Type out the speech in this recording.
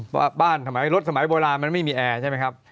ว่าบ้านสมัยรถสมัยโบราณมันไม่มีแอร์ใช่ไหมครับ